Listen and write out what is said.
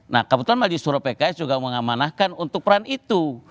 nah kebetulan majelis suro pks juga mengamanahkan untuk peran itu